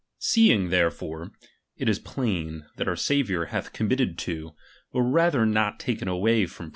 15. Seeing therefore it is plain that our Saviour Tiie wori or hath committed to, or rather not taken away from „'°j "S.